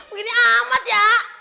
begini amat ya